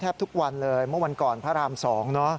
ทุกวันเลยเมื่อวันก่อนพระราม๒เนอะ